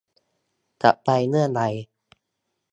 จะไปเมื่อใด